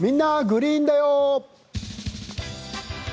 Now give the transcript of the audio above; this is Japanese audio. グリーンだよ」。